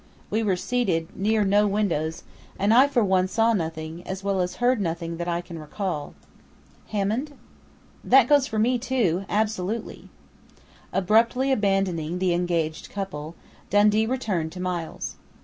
We were seated near no windows and I for one saw nothing, as well as heard nothing that I can recall." "Hammond?" "That goes for me, too absolutely!" Abruptly abandoning the engaged couple, Dundee returned to Miles.